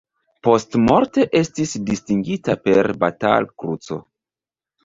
Postmorte estis distingita per Batal-Kruco.